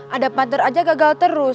ada partner aja gagal terus